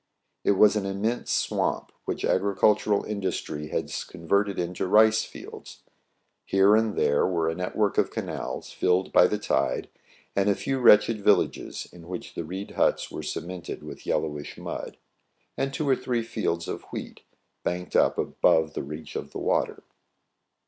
It was an immense swamp, which agricultu ral industry has converted into rice fields. Here and there were a network of canals filled by the tide, and a few wretched villages in which the reed huts were cemented with yellowish mud; and two or three fields of wheat, banked up above reach of the water.